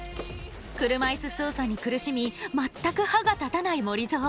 車いす操作に苦しみ全く歯が立たない森ぞー。